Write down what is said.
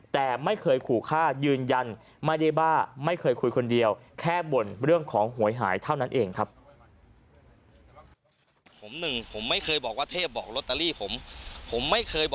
แต่ไม่เคยขู่ฆ่ายืนยันไม่ได้บ้าไม่เคยคุยคนเดียวแค่บ่นเรื่องของหวยหายเท่านั้นเองครับ